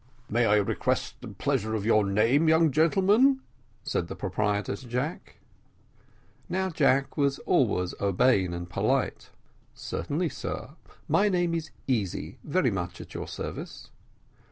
"May I request the pleasure of your name, young gentleman?" said the proprietor to Jack. Now Jack was always urbane and polite. "Certainly, sir; my name is Easy, very much at your service."